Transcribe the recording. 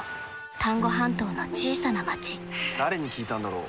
丹後半島の小さな町誰に聞いたんだろう。